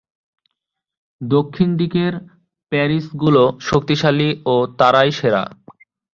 দক্ষিণ দিকের প্যারিশগুলো শক্তিশালী-তারাই সেরা!